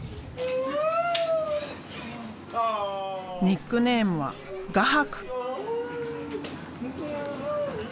ニックネームは「画伯」！